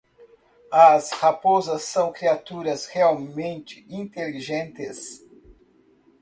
As raposas são criaturas realmente inteligentes.